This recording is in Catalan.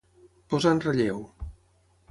Posar en relleu.